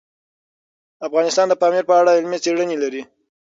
افغانستان د پامیر په اړه علمي څېړنې لري.